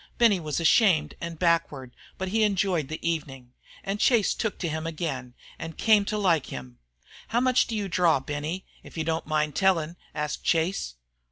Benny was ashamed and backward, but he enjoyed the evening. And Chase took him again and came to like him. "How much do you draw, Benny, if you don't mind telling?" asked Chase.